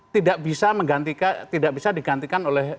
tidak bisa menggantikan tidak bisa digantikan oleh